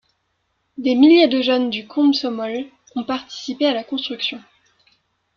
Des milliers de jeunes du Komsomol ont participé à la construction.